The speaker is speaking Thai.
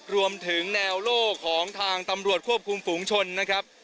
รวมถึงแนวโลกของทางตำรวจควบคุมฝูงชนนะครับ